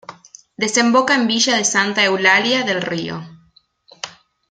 Desemboca en la villa de Santa Eulalia del Río.